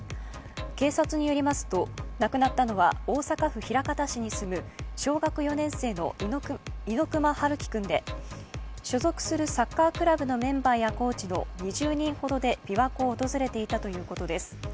警察によりますと、亡くなったのは大阪府枚方市に住む小学４年生の猪熊遥希君で、所属するサッカークラブのメンバーやコーチの２０人ほどで琵琶湖を訪れていたというこです。